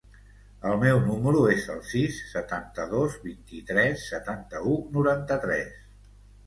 El meu número es el sis, setanta-dos, vint-i-tres, setanta-u, noranta-tres.